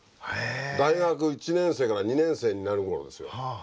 大学１年生から２年生になる頃ですよ。